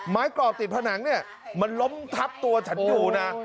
กรอบติดผนังเนี่ยมันล้มทับตัวฉันอยู่นะ